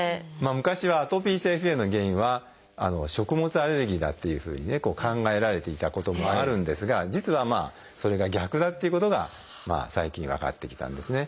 昔はアトピー性皮膚炎の原因は食物アレルギーだっていうふうにね考えられていたこともあるんですが実はそれが逆だっていうことが最近分かってきたんですね。